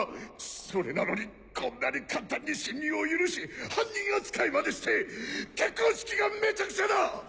それなのにこんなに簡単に侵入を許し犯人扱いまでして結婚式がめちゃくちゃだ！